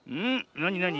なになに？